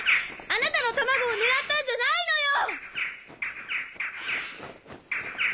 あなたの卵を狙ったんじゃないのよ！